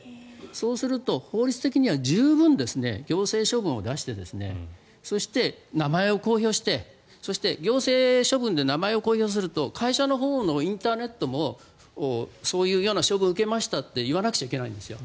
そうすると法律的には十分、行政処分を出して名前を公表してそして行政処分で名前を公表すると会社のほうのインターネットもそういう処分を受けましたって言わなくちゃいけないんですよ。